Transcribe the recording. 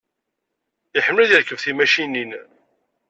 Iḥemmel ad yerkeb timacinin.